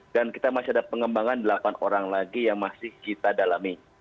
dan kita masih ada pengembangan delapan orang lagi yang masih kita dalami